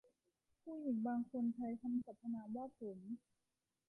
ผู้หญิงบางคนใช้คำสรรพนามว่าผม